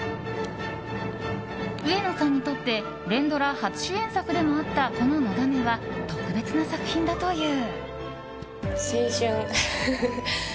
上野さんにとって連ドラ初主演作でもあったこの「のだめ」は特別な作品だという。